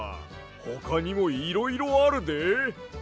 ほかにもいろいろあるで。